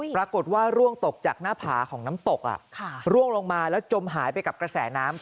ปรากฏว่าร่วงตกจากหน้าผาของน้ำตกร่วงลงมาแล้วจมหายไปกับกระแสน้ำ